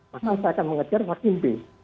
maka saya akan mengejar vaksin b